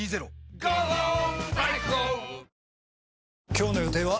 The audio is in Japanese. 今日の予定は？